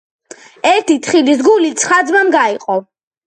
ერთი თხილის გული ცხრა ძმამ გაიყო.